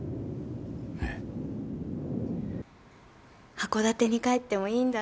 函館に帰ってもいいんだって！